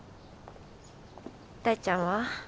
大ちゃんは？